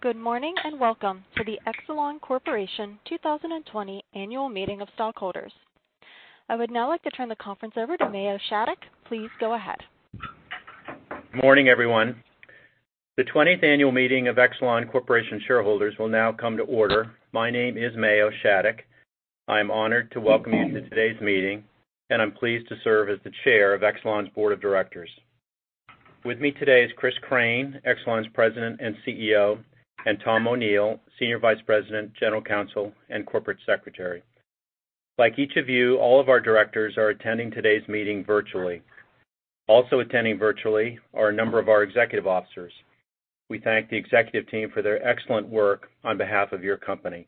Good morning and welcome to the Exelon Corporation 2020 Annual Meeting of Stockholders. I would now like to turn the conference over to Mayo Shattuck. Please go ahead. Good morning, everyone. The 20th Annual Meeting of Exelon Corporation shareholders will now come to order. My name is Mayo Shattuck. I am honored to welcome you to today's meeting, and I'm pleased to serve as the Chair of Exelon's Board of Directors. With me today is Chris Crane, Exelon's President and CEO, and Tom O'Neill, Senior Vice President, General Counsel, and Corporate Secretary. Like each of you, all of our directors are attending today's meeting virtually. Also attending virtually are a number of our executive officers. We thank the executive team for their excellent work on behalf of your company.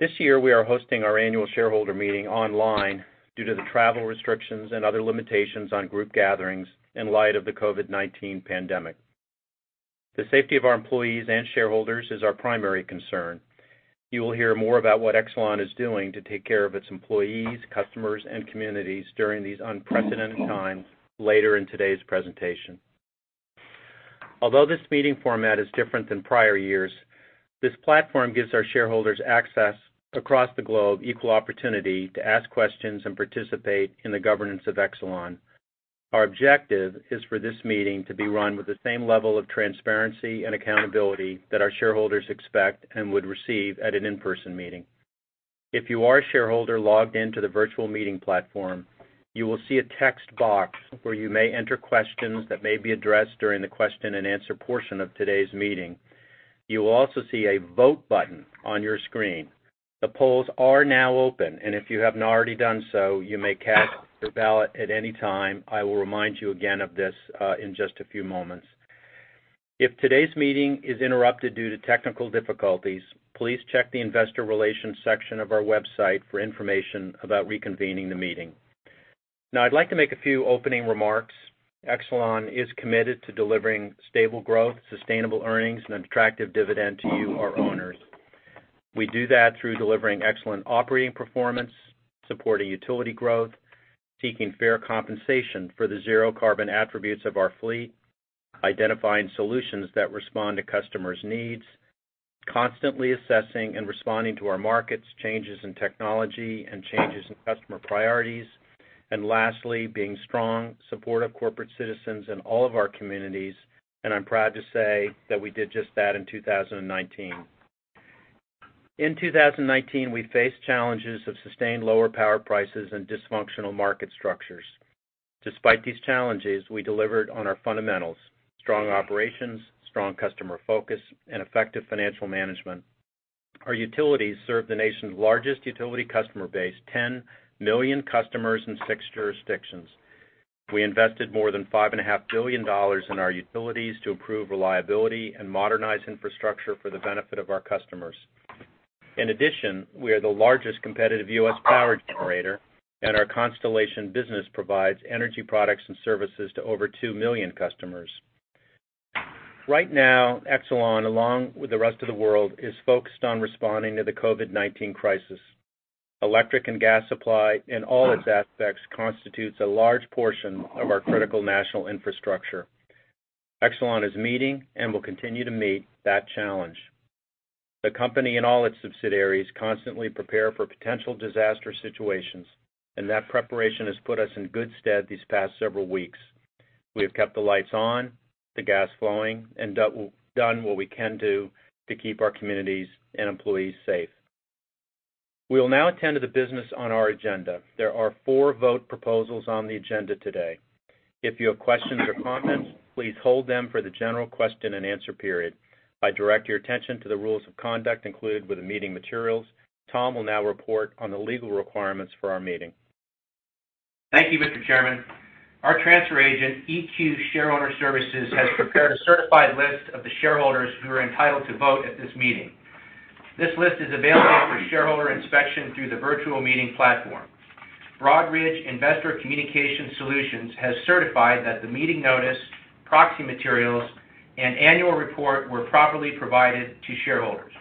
This year, we are hosting our annual shareholder meeting online due to the travel restrictions and other limitations on group gatherings in light of the COVID-19 pandemic. The safety of our employees and shareholders is our primary concern. You will hear more about what Exelon is doing to take care of its employees, customers, and communities during these unprecedented times later in today's presentation. Although this meeting format is different than prior years, this platform gives our shareholders access across the globe, equal opportunity to ask questions and participate in the governance of Exelon. Our objective is for this meeting to be run with the same level of transparency and accountability that our shareholders expect and would receive at an in-person meeting. If you are a shareholder logged into the virtual meeting platform, you will see a text box where you may enter questions that may be addressed during the question and answer portion of today's meeting. You will also see a vote button on your screen. The polls are now open, and if you have not already done so, you may cast your ballot at any time. I will remind you again of this in just a few moments. If today's meeting is interrupted due to technical difficulties, please check the investor relations section of our website for information about reconvening the meeting. Now, I'd like to make a few opening remarks. Exelon is committed to delivering stable growth, sustainable earnings, and an attractive dividend to you, our owners. We do that through delivering excellent operating performance, supporting utility growth, seeking fair compensation for the zero carbon attributes of our fleet, identifying solutions that respond to customers' needs, constantly assessing and responding to our markets, changes in technology, and changes in customer priorities, and lastly, being strong supportive corporate citizens in all of our communities. And I'm proud to say that we did just that in 2019. In 2019, we faced challenges of sustained lower power prices and dysfunctional market structures. Despite these challenges, we delivered on our fundamentals: strong operations, strong customer focus, and effective financial management. Our utilities serve the nation's largest utility customer base, 10 million customers in six jurisdictions. We invested more than $5.5 billion in our utilities to improve reliability and modernize infrastructure for the benefit of our customers. In addition, we are the largest competitive U.S. power generator, and our Constellation business provides energy products and services to over 2 million customers. Right now, Exelon, along with the rest of the world, is focused on responding to the COVID-19 crisis. Electric and gas supply, in all its aspects, constitutes a large portion of our critical national infrastructure. Exelon is meeting and will continue to meet that challenge. The company and all its subsidiaries constantly prepare for potential disaster situations, and that preparation has put us in good stead these past several weeks. We have kept the lights on, the gas flowing, and done what we can do to keep our communities and employees safe. We will now attend to the business on our agenda. There are four vote proposals on the agenda today. If you have questions or comments, please hold them for the general question and answer period. I direct your attention to the rules of conduct included with the meeting materials. Tom will now report on the legal requirements for our meeting. Thank you, Mr. Chairman. Our transfer agent, EQ Shareowner Services, has prepared a certified list of the shareholders who are entitled to vote at this meeting. This list is available for shareholder inspection through the virtual meeting platform. Broadridge Investor Communication Solutions has certified that the meeting notice, proxy materials, and annual report were properly provided to shareholders.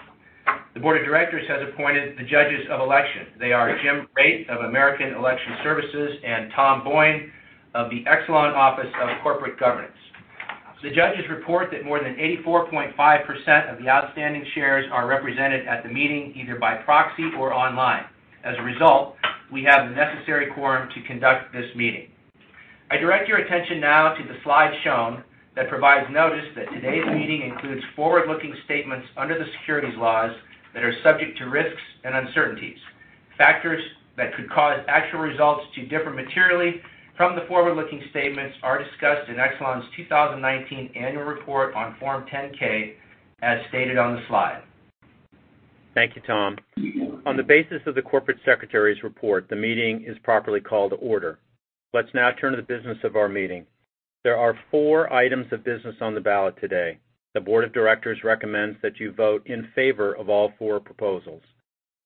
The Board of Directors has appointed the judges of election. They are Jim Raitt of American Election Services and Tom Boin of the Exelon Office of Corporate Governance. The judges report that more than 84.5% of the outstanding shares are represented at the meeting either by proxy or online. As a result, we have the necessary quorum to conduct this meeting. I direct your attention now to the slide shown that provides notice that today's meeting includes forward-looking statements under the securities laws that are subject to risks and uncertainties. Factors that could cause actual results to differ materially from the forward-looking statements are discussed in Exelon's 2019 Annual Report on Form 10-K, as stated on the Slide. Thank you, Tom. On the basis of the Corporate Secretary's report, the meeting is properly called to order. Let's now turn to the business of our meeting. There are four items of business on the ballot today. The Board of Directors recommends that you vote in favor of all four proposals.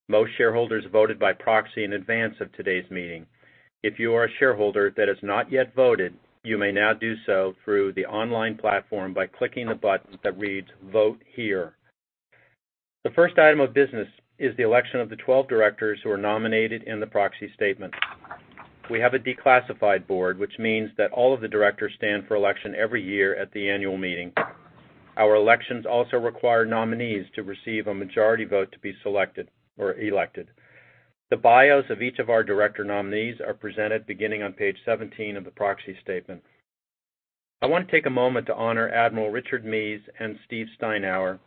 Most shareholders voted by proxy in advance of today's meeting. If you are a shareholder that has not yet voted, you may now do so through the online platform by clicking the button that reads "Vote Here." The first item of business is the election of the 12 directors who are nominated in the proxy statement. We have a declassified board, which means that all of the directors stand for election every year at the annual meeting. Our elections also require nominees to receive a majority vote to be selected or elected. The bios of each of our director nominees are presented beginning on page 17 of the proxy statement. I want to take a moment to honor Admiral Richard Mies and Steve Steinour,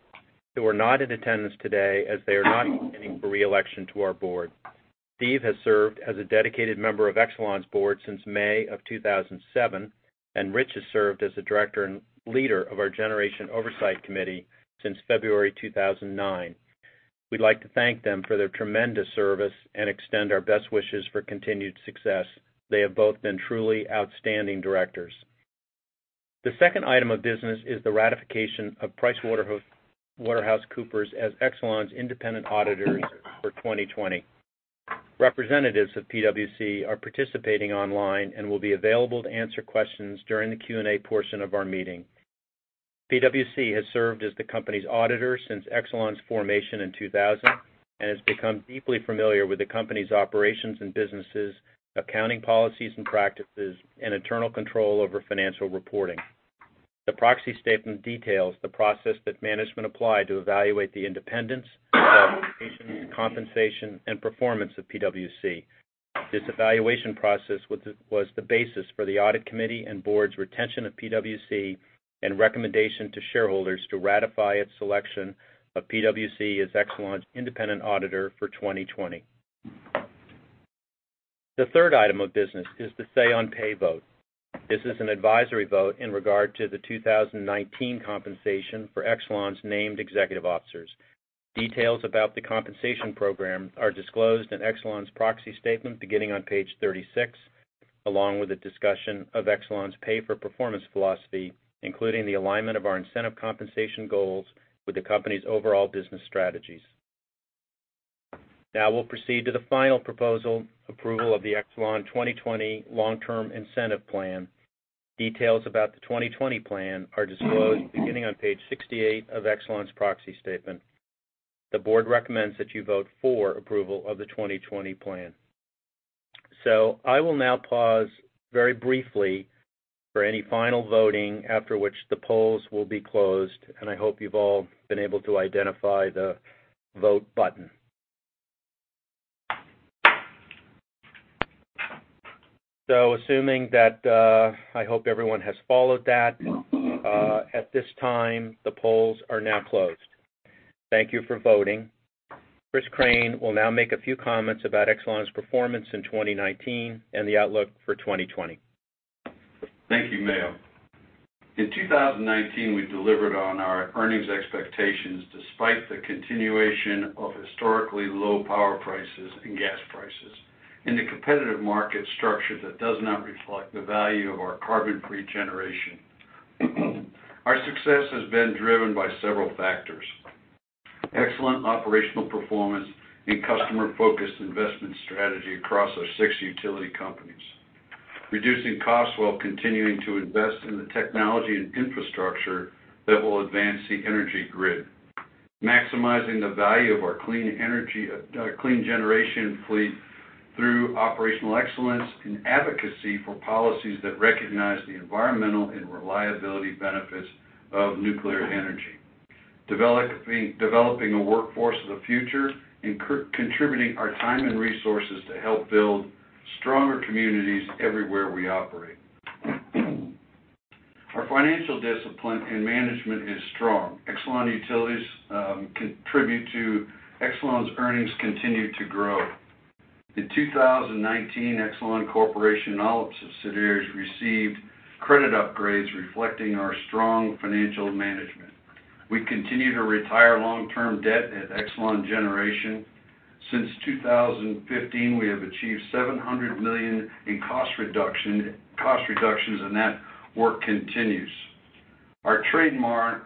who are not in attendance today as they are not aiming for re-election to our board. Steve has served as a dedicated member of Exelon's board since May of 2007, and Rich has served as a director and leader of our Generation Oversight Committee since February 2009. We'd like to thank them for their tremendous service and extend our best wishes for continued success. They have both been truly outstanding directors. The second item of business is the ratification of PricewaterhouseCoopers as Exelon's independent auditors for 2020. Representatives of PwC are participating online and will be available to answer questions during the Q&A portion of our meeting. PwC has served as the company's auditor since Exelon's formation in 2000 and has become deeply familiar with the company's operations and businesses, accounting policies and practices, and internal control over financial reporting. The proxy statement details the process that management applied to evaluate the independence, qualifications, compensation, and performance of PwC. This evaluation process was the basis for the Audit Committee and board's retention of PwC and recommendation to shareholders to ratify its selection of PwC as Exelon's independent auditor for 2020. The third item of business is the say-on-pay vote. This is an advisory vote in regard to the 2019 compensation for Exelon's named executive officers. Details about the compensation program are disclosed in Exelon's proxy statement beginning on page 36, along with a discussion of Exelon's pay-for-performance philosophy, including the alignment of our incentive compensation goals with the company's overall business strategies. Now we'll proceed to the final proposal approval of the Exelon 2020 Long-Term Incentive Plan. Details about the 2020 plan are disclosed beginning on page 68 of Exelon's proxy Statement. The Board recommends that you vote for approval of the 2020 plan. So I will now pause very briefly for any final voting, after which the polls will be closed, and I hope you've all been able to identify the vote button. So assuming that I hope everyone has followed that, at this time, the polls are now closed. Thank you for voting. Chris Crane will now make a few comments about Exelon's performance in 2019 and the outlook for 2020. Thank you, Mayo. In 2019, we delivered on our earnings expectations despite the continuation of historically low power prices and gas prices and the competitive market structure that does not reflect the value of our carbon-free generation. Our success has been driven by several factors: excellent operational performance and customer-focused investment strategy across our six utility companies. Reducing costs while continuing to invest in the technology and infrastructure that will advance the energy grid. Maximizing the value of our clean energy clean generation fleet through operational excellence and advocacy for policies that recognize the environmental and reliability benefits of nuclear energy. Developing a workforce of the future and contributing our time and resources to help build stronger communities everywhere we operate. Our financial discipline and management is strong. Exelon Utilities contribute to Exelon's earnings continuing to grow. In 2019, Exelon Corporation and all its subsidiaries received credit upgrades reflecting our strong financial management. We continue to retire long-term debt at Exelon Generation. Since 2015, we have achieved $700 million in cost reductions, and that work continues. Our trademark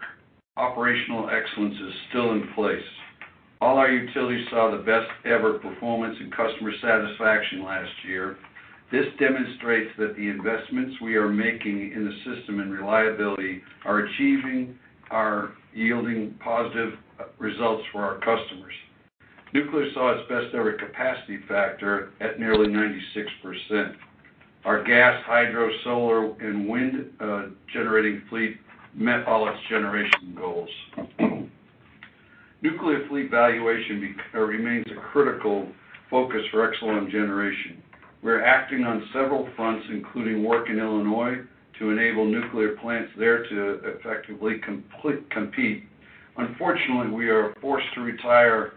operational excellence is still in place. All our utilities saw the best-ever performance and customer satisfaction last year. This demonstrates that the investments we are making in the system and reliability are achieving or yielding positive results for our customers. Nuclear saw its best-ever capacity factor at nearly 96%. Our gas, hydro, solar, and wind-generating fleet met all its generation goals. Nuclear fleet valuation remains a critical focus for Exelon Generation. We're acting on several fronts, including work in Illinois to enable nuclear plants there to effectively compete. Unfortunately, we are forced to retire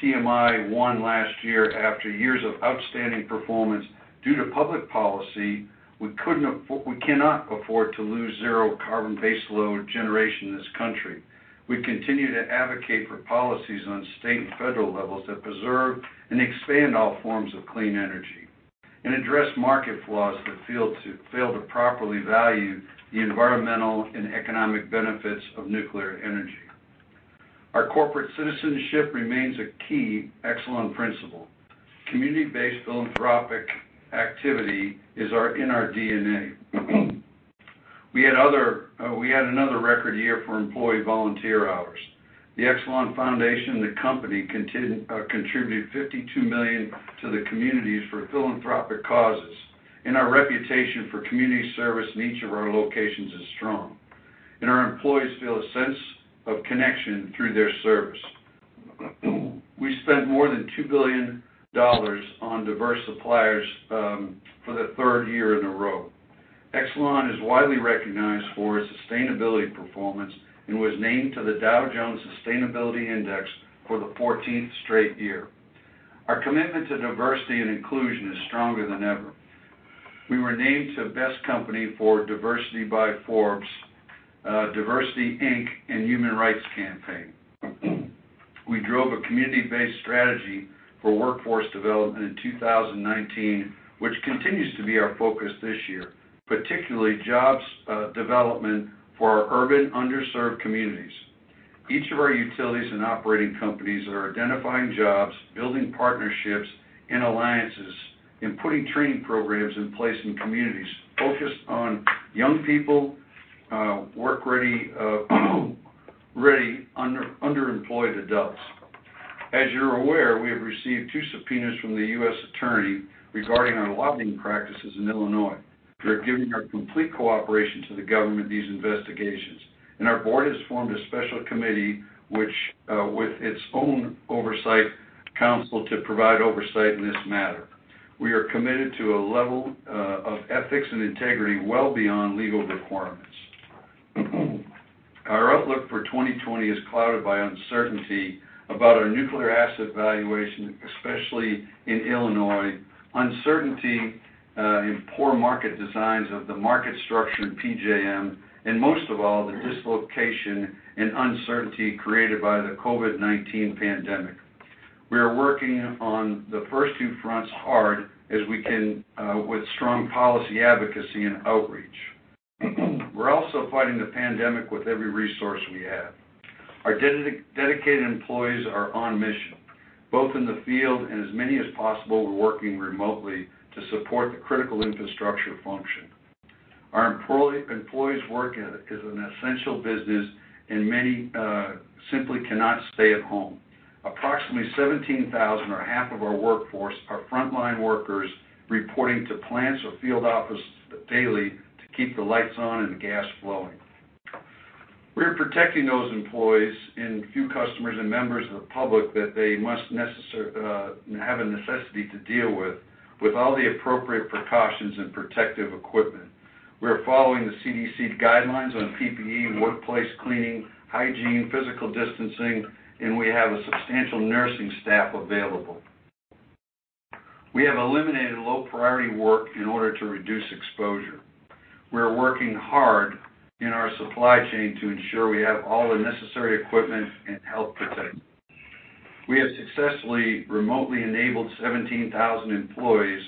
TMI Unit 1 last year after years of outstanding performance. Due to public policy, we cannot afford to lose zero carbon baseload generation in this country. We continue to advocate for policies on state and federal levels that preserve and expand all forms of clean energy and address market flaws that fail to properly value the environmental and economic benefits of nuclear energy. Our corporate citizenship remains a key Exelon principle. Community-based philanthropic activity is in our DNA. We had another record year for employee volunteer hours. The Exelon Foundation and the company contributed $52 million to the communities for philanthropic causes. And our reputation for community service in each of our locations is strong. And our employees feel a sense of connection through their service. We spent more than $2 billion on diverse suppliers for the third year in a row. Exelon is widely recognized for its sustainability performance and was named to the Dow Jones Sustainability Index for the 14th straight year. Our commitment to diversity and inclusion is stronger than ever. We were named to Best Company for Diversity by Forbes, DiversityInc, and Human Rights Campaign. We drove a community-based strategy for workforce development in 2019, which continues to be our focus this year, particularly jobs development for our urban underserved communities. Each of our utilities and operating companies are identifying jobs, building partnerships, and alliances, and putting training programs in place in communities focused on young people, work-ready, underemployed adults. As you're aware, we have received two subpoenas from the U.S. Attorney regarding our lobbying practices in Illinois. We are giving our complete cooperation to the government in these investigations. Our board has formed a special committee with its own oversight council to provide oversight in this matter. We are committed to a level of ethics and integrity well beyond legal requirements. Our outlook for 2020 is clouded by uncertainty about our nuclear asset valuation, especially in Illinois, uncertainty in poor market designs of the market structure in PJM, and most of all, the dislocation and uncertainty created by the COVID-19 pandemic. We are working on the first two fronts hard as we can with strong policy advocacy and outreach. We're also fighting the pandemic with every resource we have. Our dedicated employees are on mission, both in the field and as many as possible working remotely to support the critical infrastructure function. Our employees' work is an essential business, and many simply cannot stay at home. Approximately 17,000 or half of our workforce are frontline workers reporting to plants or field offices daily to keep the lights on and the gas flowing. We're protecting those employees and few customers and members of the public that they must have a necessity to deal with, with all the appropriate precautions and protective equipment. We're following the CDC guidelines on PPE, workplace cleaning, hygiene, physical distancing, and we have a substantial nursing staff available. We have eliminated low-priority work in order to reduce exposure. We're working hard in our supply chain to ensure we have all the necessary equipment and health protection. We have successfully remotely enabled 17,000 employees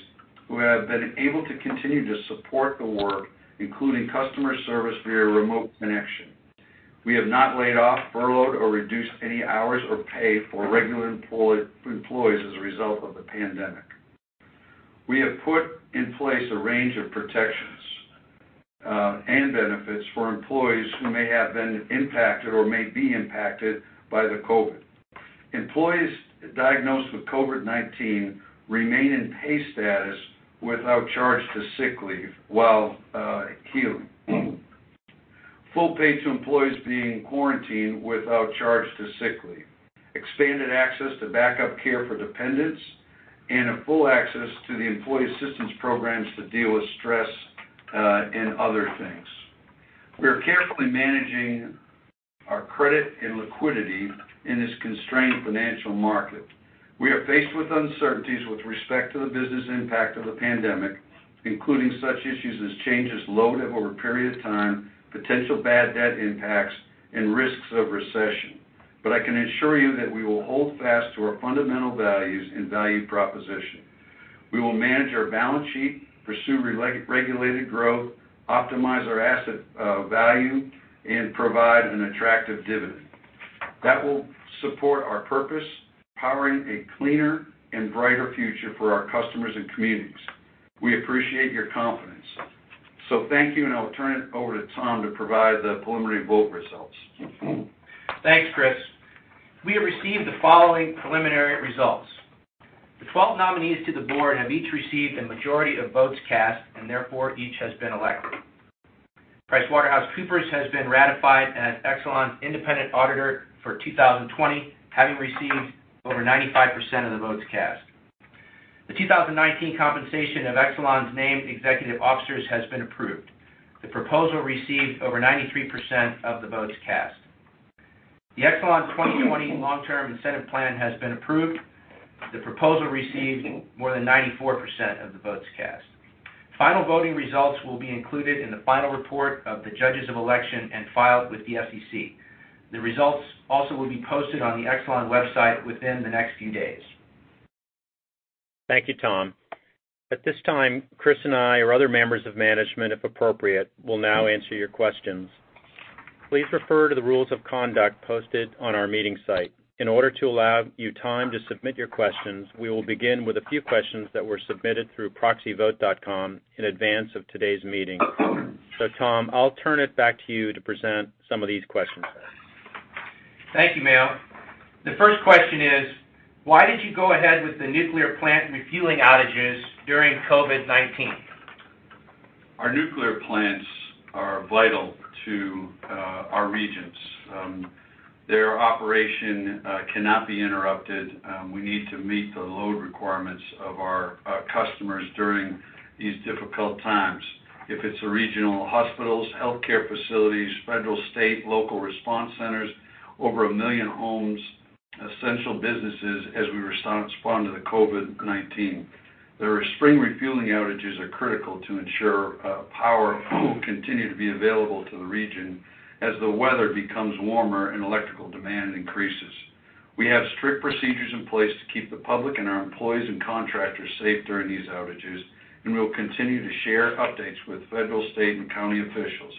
who have been able to continue to support the work, including customer service via remote connection. We have not laid off, furloughed, or reduced any hours or pay for regular employees as a result of the pandemic. We have put in place a range of protections and benefits for employees who may have been impacted or may be impacted by the COVID. Employees diagnosed with COVID-19 remain in pay status without charge to sick leave while healing. Full pay to employees being quarantined without charge to sick leave. Expanded access to backup care for dependents and full access to the employee assistance programs to deal with stress and other things. We are carefully managing our credit and liquidity in this constrained financial market. We are faced with uncertainties with respect to the business impact of the pandemic, including such issues as changes in load over a period of time, potential bad debt impacts, and risks of recession. But I can assure you that we will hold fast to our fundamental values and value proposition. We will manage our balance sheet, pursue regulated growth, optimize our asset value, and provide an attractive dividend. That will support our purpose, powering a cleaner and brighter future for our customers and communities. We appreciate your confidence. So thank you, and I'll turn it over to Tom to provide the preliminary vote results. Thanks, Chris. We have received the following preliminary results. The 12 nominees to the board have each received the majority of votes cast, and therefore each has been elected. PricewaterhouseCoopers has been ratified as Exelon's independent auditor for 2020, having received over 95% of the votes cast. The 2019 compensation of Exelon's named executive officers has been approved. The proposal received over 93% of the votes cast. The Exelon 2020 long-term incentive plan has been approved. The proposal received more than 94% of the votes cast. Final voting results will be included in the final report of the judges of election and filed with the SEC. The results also will be posted on the Exelon website within the next few days. Thank you, Tom. At this time, Chris and I or other members of management, if appropriate, will now answer your questions. Please refer to the rules of conduct posted on our meeting site. In order to allow you time to submit your questions, we will begin with a few questions that were submitted through proxyvote.com in advance of today's meeting. So Tom, I'll turn it back to you to present some of these questions. Thank you, Mayo. The first question is, why did you go ahead with the nuclear plant refueling outages during COVID-19? Our nuclear plants are vital to our regions. Their operation cannot be interrupted. We need to meet the load requirements of our customers during these difficult times, if it's regional hospitals, healthcare facilities, federal, state, local response centers, over a million homes, essential businesses as we respond to the COVID-19. The spring refueling outages are critical to ensure power will continue to be available to the region as the weather becomes warmer and electrical demand increases. We have strict procedures in place to keep the public and our employees and contractors safe during these outages, and we'll continue to share updates with federal, state, and county officials.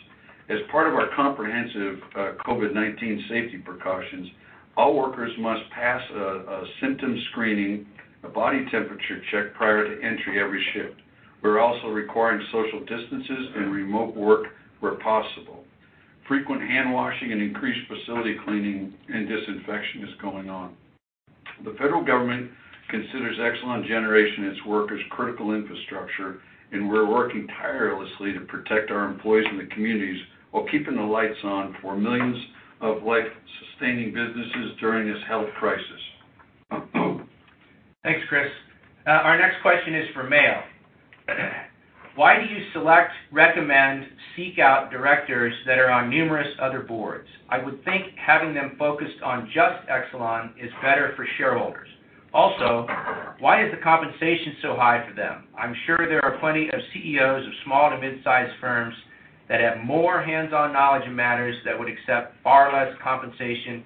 As part of our comprehensive COVID-19 safety precautions, all workers must pass a symptom screening, a body temperature check prior to entry every shift. We're also requiring social distances and remote work where possible. Frequent handwashing and increased facility cleaning and disinfection is going on. The federal government considers Exelon Generation and its workers critical infrastructure, and we're working tirelessly to protect our employees and the communities while keeping the lights on for millions of life-sustaining businesses during this health crisis. Thanks, Chris. Our next question is for Mayo. Why do you select, recommend, seek out directors that are on numerous other boards? I would think having them focused on just Exelon is better for shareholders. Also, why is the compensation so high for them? I'm sure there are plenty of CEOs of small to mid-sized firms that have more hands-on knowledge in matters that would accept far less compensation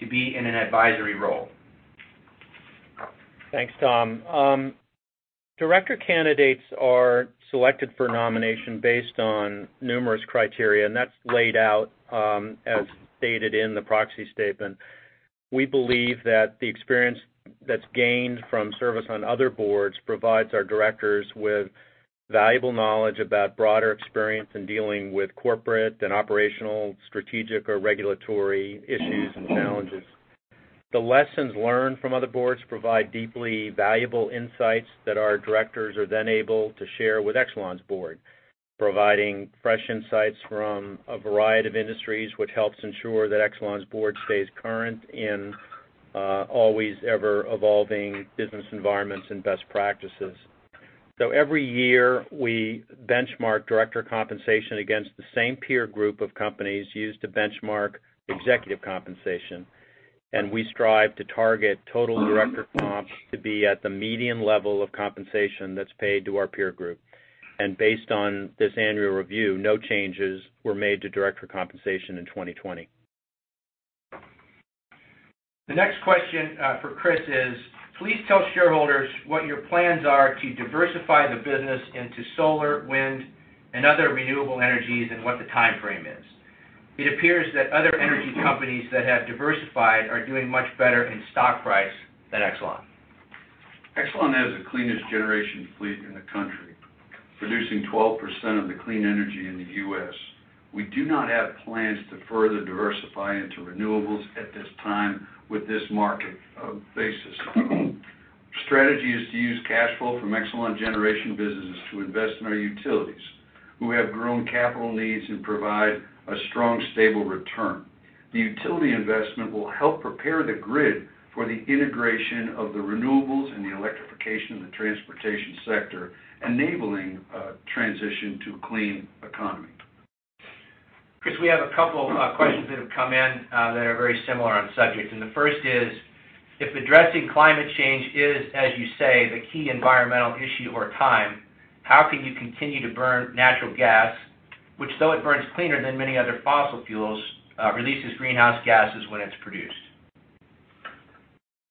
to be in an advisory role. Thanks, Tom. Director candidates are selected for nomination based on numerous criteria, and that's laid out as stated in the proxy statement. We believe that the experience that's gained from service on other boards provides our directors with valuable knowledge about broader experience in dealing with corporate and operational, strategic, or regulatory issues and challenges. The lessons learned from other boards provide deeply valuable insights that our directors are then able to share with Exelon's board, providing fresh insights from a variety of industries, which helps ensure that Exelon's board stays current in always-ever-evolving business environments and best practices. So every year, we benchmark director compensation against the same peer group of companies used to benchmark executive compensation. And we strive to target total director comp to be at the median level of compensation that's paid to our peer group. Based on this annual review, no changes were made to director compensation in 2020. The next question for Chris is, please tell shareholders what your plans are to diversify the business into solar, wind, and other renewable energies, and what the timeframe is. It appears that other energy companies that have diversified are doing much better in stock price than Exelon. Exelon has the cleanest generation fleet in the country, producing 12% of the clean energy in the U.S. We do not have plans to further diversify into renewables at this time with this market basis. Strategy is to use cash flow from Exelon Generation businesses to invest in our utilities, who have grown capital needs and provide a strong, stable return. The utility investment will help prepare the grid for the integration of the renewables and the electrification of the transportation sector, enabling a transition to a clean economy. Chris, we have a couple of questions that have come in that are very similar on subjects, and the first is, if addressing climate change is, as you say, the key environmental issue of our time, how can you continue to burn natural gas, which, though it burns cleaner than many other fossil fuels, releases greenhouse gases when it's produced?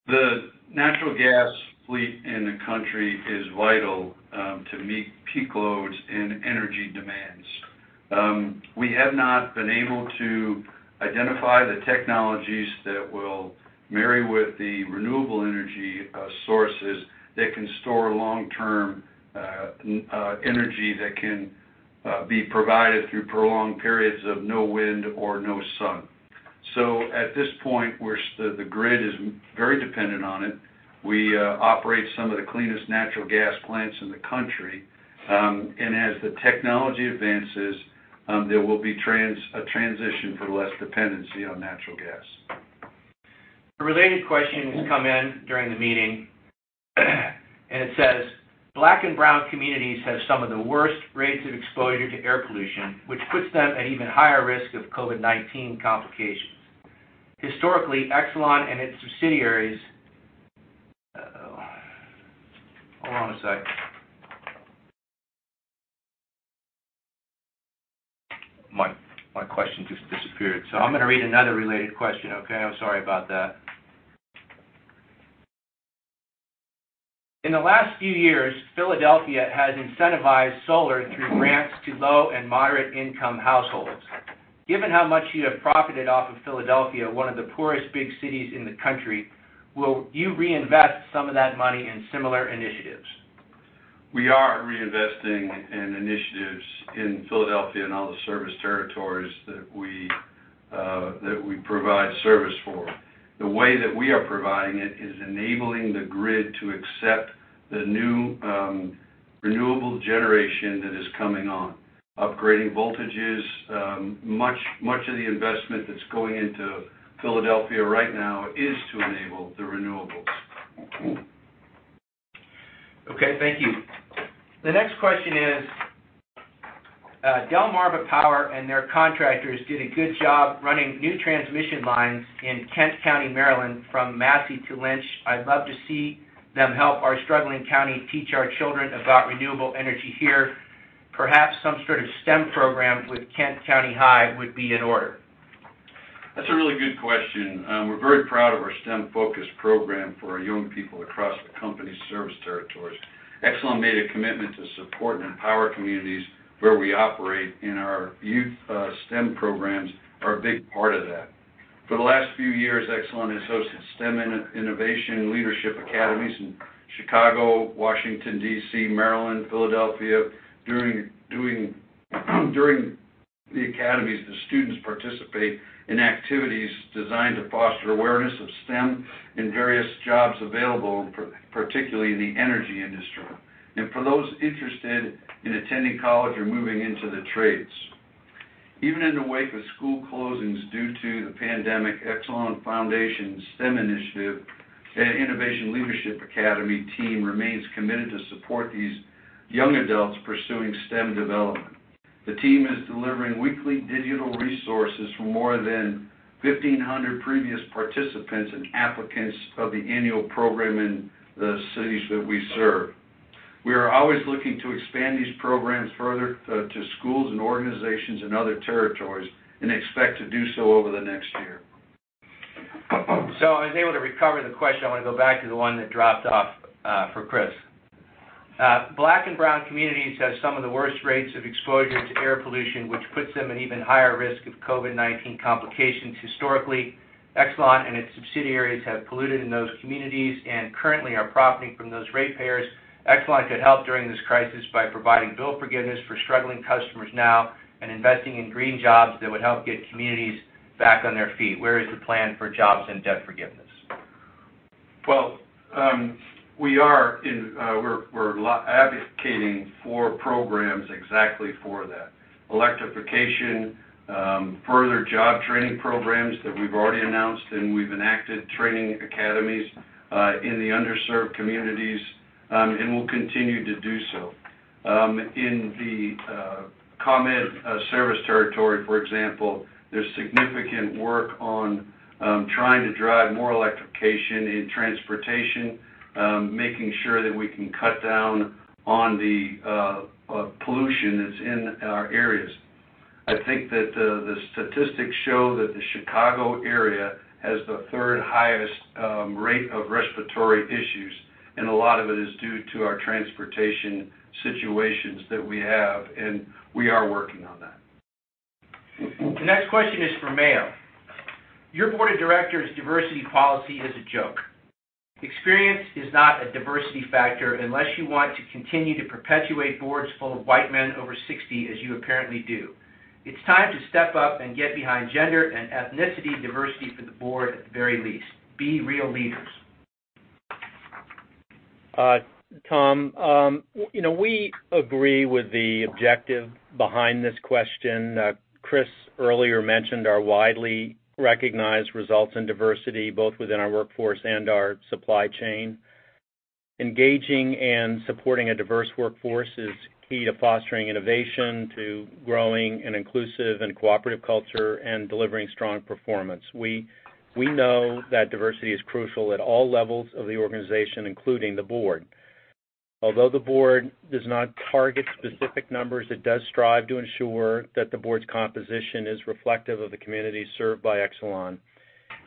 The natural gas fleet in the country is vital to meet peak loads and energy demands. We have not been able to identify the technologies that will marry with the renewable energy sources that can store long-term energy that can be provided through prolonged periods of no wind or no sun. So at this point, the grid is very dependent on it. We operate some of the cleanest natural gas plants in the country. And as the technology advances, there will be a transition for less dependency on natural gas. A related question has come in during the meeting, and it says, "Black and brown communities have some of the worst rates of exposure to air pollution, which puts them at even higher risk of COVID-19 complications." Historically, Exelon and its subsidiaries, hold on a sec. My question just disappeared, so I'm going to read another related question, okay? I'm sorry about that. In the last few years, Philadelphia has incentivized solar through grants to low and moderate-income households. Given how much you have profited off of Philadelphia, one of the poorest big cities in the country, will you reinvest some of that money in similar initiatives? We are reinvesting in initiatives in Philadelphia and all the service territories that we provide service for. The way that we are providing it is enabling the grid to accept the new renewable generation that is coming on, upgrading voltages. Much of the investment that's going into Philadelphia right now is to enable the renewables. Okay. Thank you. The next question is, "Delmarva Power and their contractors did a good job running new transmission lines in Kent County, Maryland, from Massey to Lynch. I'd love to see them help our struggling county teach our children about renewable energy here. Perhaps some sort of STEM program with Kent County High would be in order. That's a really good question. We're very proud of our STEM-focused program for our young people across the company's service territories. Exelon made a commitment to support and empower communities where we operate, and our youth STEM programs are a big part of that. For the last few years, Exelon has hosted STEM Innovation Leadership Academies in Chicago, Washington, D.C., Maryland, Philadelphia. During the academies, the students participate in activities designed to foster awareness of STEM and various jobs available, particularly in the energy industry, and for those interested in attending college or moving into the trades. Even in the wake of school closings due to the pandemic, Exelon Foundation's STEM Innovation Leadership Academy team remains committed to support these young adults pursuing STEM development. The team is delivering weekly digital resources for more than 1,500 previous participants and applicants of the annual program in the cities that we serve. We are always looking to expand these programs further to schools and organizations in other territories and expect to do so over the next year. I was able to recover the question. I want to go back to the one that dropped off for Chris. Black and brown communities have some of the worst rates of exposure to air pollution, which puts them at even higher risk of COVID-19 complications historically. Exelon and its subsidiaries have polluted in those communities and currently are profiting from those ratepayers. Exelon could help during this crisis by providing bill forgiveness for struggling customers now and investing in green jobs that would help get communities back on their feet. Where is the plan for jobs and debt forgiveness? We are advocating for programs exactly for that: electrification, further job training programs that we've already announced, and we've enacted training academies in the underserved communities, and we'll continue to do so. In the ComEd service territory, for example, there's significant work on trying to drive more electrification in transportation, making sure that we can cut down on the pollution that's in our areas. I think that the statistics show that the Chicago area has the third highest rate of respiratory issues, and a lot of it is due to our transportation situations that we have, and we are working on that. The next question is for Mayo. Your board of directors' diversity policy is a joke. Experience is not a diversity factor unless you want to continue to perpetuate boards full of white men over 60, as you apparently do. It's time to step up and get behind gender and ethnicity diversity for the board at the very least. Be real leaders. Tom, we agree with the objective behind this question. Chris earlier mentioned our widely recognized results in diversity, both within our workforce and our supply chain. Engaging and supporting a diverse workforce is key to fostering innovation, to growing an inclusive and cooperative culture, and delivering strong performance. We know that diversity is crucial at all levels of the organization, including the board. Although the board does not target specific numbers, it does strive to ensure that the board's composition is reflective of the communities served by Exelon.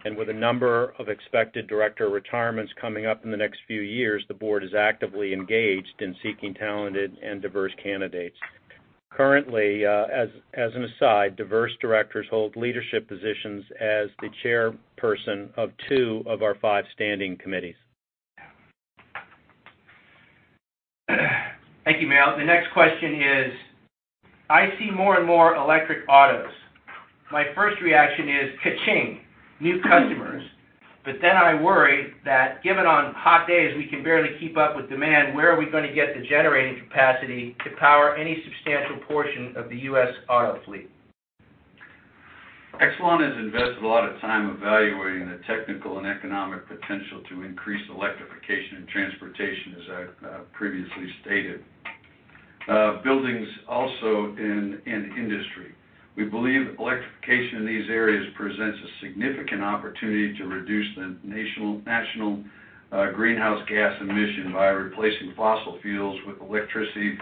And with a number of expected director retirements coming up in the next few years, the board is actively engaged in seeking talented and diverse candidates. Currently, as an aside, diverse directors hold leadership positions as the chairperson of two of our five standing committees. Thank you, Mayo. The next question is, "I see more and more electric autos. My first reaction is, 'Kaching, new customers.' But then I worry that given on hot days we can barely keep up with demand, where are we going to get the generating capacity to power any substantial portion of the U.S. auto fleet? Exelon has invested a lot of time evaluating the technical and economic potential to increase electrification in transportation, as I previously stated. Buildings also in industry. We believe electrification in these areas presents a significant opportunity to reduce the national greenhouse gas emission by replacing fossil fuels with electricity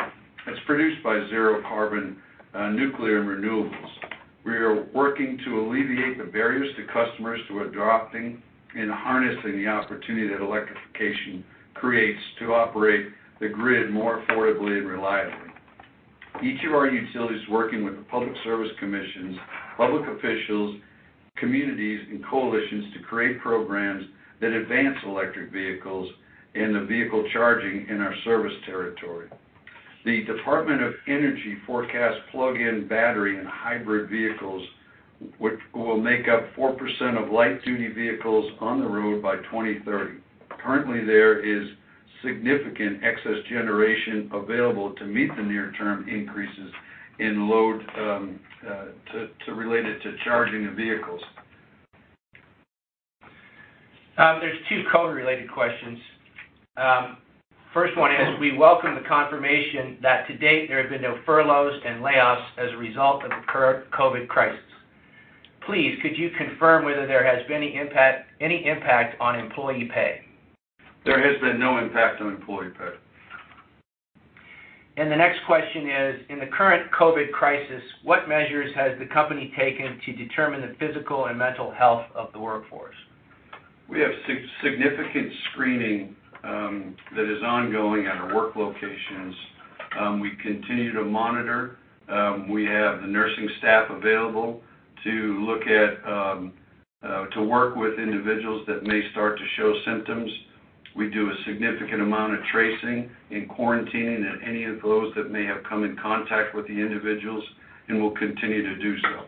that's produced by zero-carbon nuclear and renewables. We are working to alleviate the barriers to customers who are adopting and harnessing the opportunity that electrification creates to operate the grid more affordably and reliably. Each of our utilities is working with the public service commissions, public officials, communities, and coalitions to create programs that advance electric vehicles and the vehicle charging in our service territory. The Department of Energy forecasts plug-in battery and hybrid vehicles, which will make up 4% of light-duty vehicles on the road by 2030. Currently, there is significant excess generation available to meet the near-term increases related to charging the vehicles. There's two COVID-related questions. First one is, "We welcome the confirmation that to date there have been no furloughs and layoffs as a result of the current COVID crisis. Please, could you confirm whether there has been any impact on employee pay? There has been no impact on employee pay. The next question is, "In the current COVID crisis, what measures has the company taken to determine the physical and mental health of the workforce? We have significant screening that is ongoing at our work locations. We continue to monitor. We have the nursing staff available to work with individuals that may start to show symptoms. We do a significant amount of tracing and quarantining at any of those that may have come in contact with the individuals, and we'll continue to do so.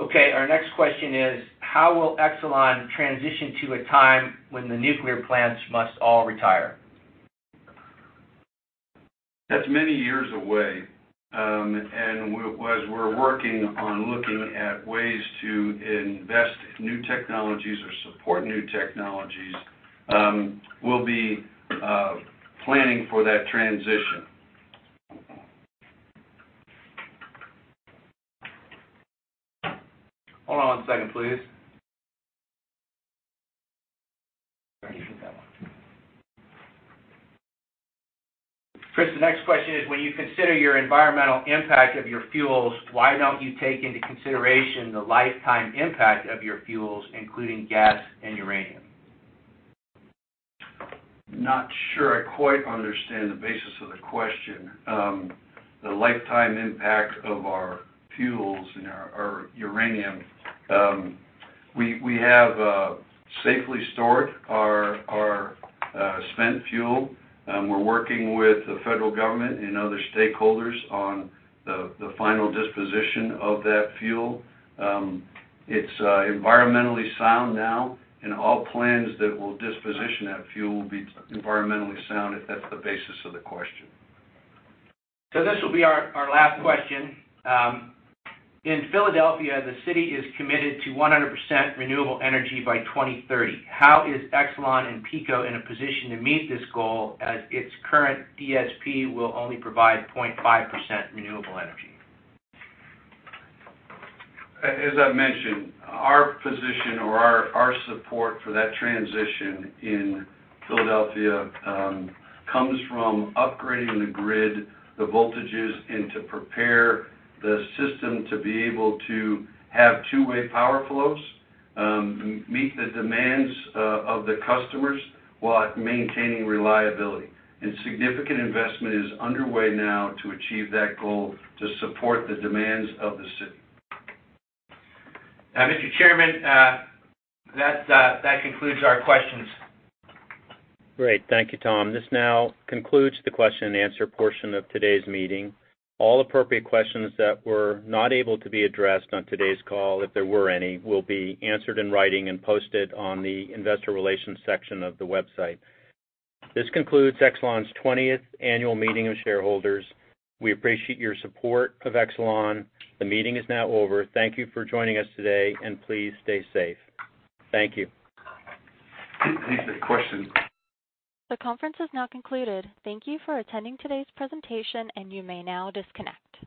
Okay. Our next question is, "How will Exelon transition to a time when the nuclear plants must all retire? That's many years away, and as we're working on looking at ways to invest in new technologies or support new technologies, we'll be planning for that transition. Hold on one second, please. Chris, the next question is, "When you consider your environmental impact of your fuels, why don't you take into consideration the lifetime impact of your fuels, including gas and uranium? Not sure I quite understand the basis of the question. The lifetime impact of our fuels and our uranium, we have safely stored our spent fuel. We're working with the federal government and other stakeholders on the final disposition of that fuel. It's environmentally sound now, and all plans that will disposition that fuel will be environmentally sound if that's the basis of the question. So this will be our last question. "In Philadelphia, the city is committed to 100% renewable energy by 2030. How is Exelon and PECO in a position to meet this goal as its current DSP will only provide 0.5% renewable energy? As I mentioned, our position or our support for that transition in Philadelphia comes from upgrading the grid, the voltages, and to prepare the system to be able to have two-way power flows, meet the demands of the customers while maintaining reliability, and significant investment is underway now to achieve that goal to support the demands of the city. Mr. Chairman, that concludes our questions. Great. Thank you, Tom. This now concludes the question-and-answer portion of today's meeting. All appropriate questions that were not able to be addressed on today's call, if there were any, will be answered in writing and posted on the investor relations section of the website. This concludes Exelon's 20th annual meeting of shareholders. We appreciate your support of Exelon. The meeting is now over. Thank you for joining us today, and please stay safe. Thank you. Any questions? The conference has now concluded. Thank you for attending today's presentation, and you may now disconnect.